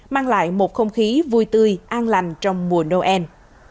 mang lại một không khí vui tươi an lành trong mùa noel